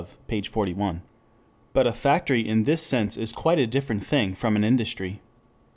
_, p. 41] But a factory in this sense is quite a different thing from an industry.